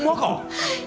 はい！